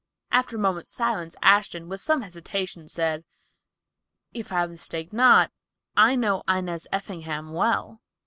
After a moment's silence Ashton, with some hesitation, said, "If I mistake not, I know Inez Effingham well."